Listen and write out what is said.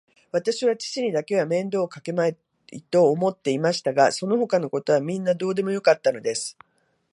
わたしは父にだけは面倒をかけまいと思っていましたが、そのほかのことはみんなどうでもよかったのです。